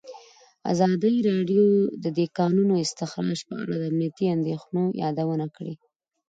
ازادي راډیو د د کانونو استخراج په اړه د امنیتي اندېښنو یادونه کړې.